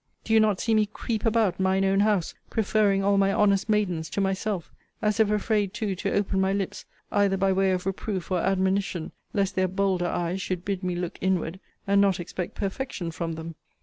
'Do you not see me creep about mine own house, preferring all my honest maidens to myself as if afraid, too, to open my lips, either by way of reproof or admonition, lest their bolder eyes should bid me look inward, and not expect perfection from them?